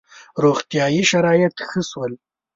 • روغتیايي شرایط ښه شول.